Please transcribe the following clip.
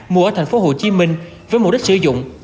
mua ở thành phố hồ chí minh với mục đích sử dụng